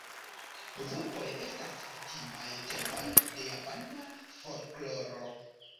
Vulpoj estas kutimaj temoj de japana folkloro.